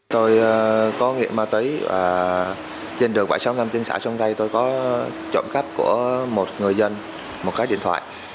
tôi có nghiệp ma túy và trên đường quả sông nam tinh xã sông rây tôi có trộm cấp của một người dân một cái điện thoại